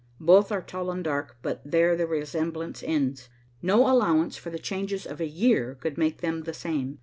Both are tall and dark, but there the resemblance ends. No allowance for the changes of a year could make them the same.